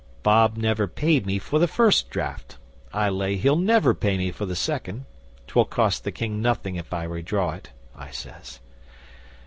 '"Bob never paid me for the first draft. I lay he'll never pay me for the second. 'Twill cost the King nothing if I re draw it," I says.